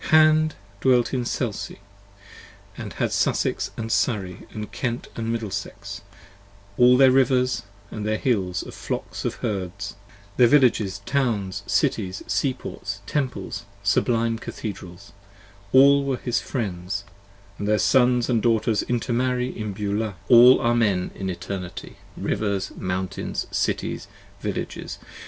Hand dwelt in Selsey, & had Sussex & Surrey And Kent & Middlesex: all their Rivers & their Hills of flocks & herds; Their Villages, Towns, Cities, Sea Ports, Temples, sublime Cathedrals; All were his Friends & their Sons & Daughters intermarry in Beulah, 15 For all are Men in Eternity, Rivers, Mountains, Cities, Villages.